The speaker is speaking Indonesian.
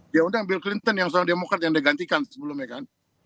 dia undang bill clinton yang seorang democrat yang digantikan sebelumnya kan